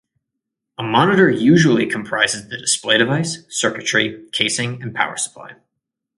A monitor usually comprises the display device, circuitry, casing, and power supply.